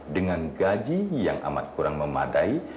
dengan gaji yang amat kurang memadai